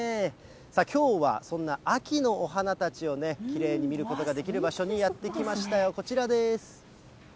きょうはそんな秋のお花たちをきれいに見ることができる場所にやって来ましたよ、こちらです。